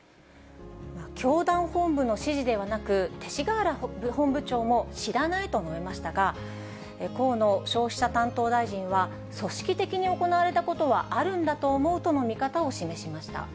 教団本部の指示ではなく、勅使河原本部長も知らないと述べましたが、河野消費者担当大臣は、組織的に行われたことはあるんだと思うとの見方を示しました。